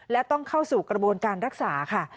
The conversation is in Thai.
และต้องเข้าสู่กระบวนการรักษาค่ะ